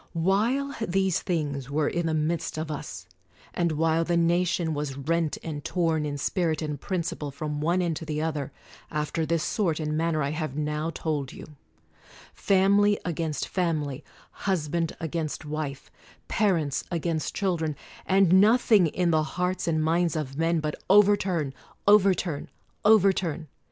While these things were in the midst of us; and while the nation was rent and torn in spirit and principle from one end to the other, after this sort and manner I have now told you ; fam ily against family, husband against wife, pa rents against children ; and nothing in the hearts and minds of men but "Overturn, overturn, overturn!"